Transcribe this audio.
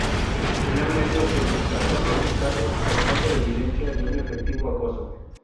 Finalmente, se descartaron los cargos por falta de evidencia de un efectivo acoso.